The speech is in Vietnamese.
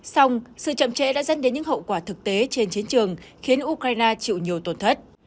xong sự chậm trễ đã dẫn đến những hậu quả thực tế trên chiến trường khiến ukraine chịu nhiều tổn thất